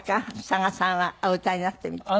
佐賀さんはお歌いになってみて。